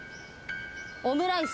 オムライス。